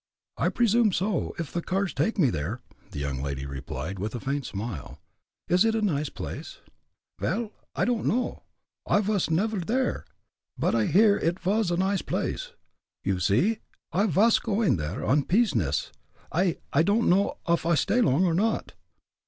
"I presume so, if the cars take me there," the young lady replied, with a faint smile. "Is it a nice place?" "Vel, I don'd know. I vas neffer there, but I hear id vas a nice place. You see, I vas goin' there on pizness I I don'd know off I stay long or not."